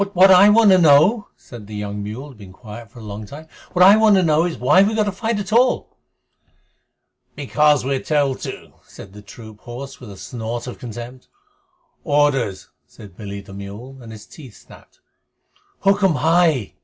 "What I want to know," said the young mule, who had been quiet for a long time "what I want to know is, why we have to fight at all." "Because we're told to," said the troop horse, with a snort of contempt. "Orders," said Billy the mule, and his teeth snapped. "Hukm hai!"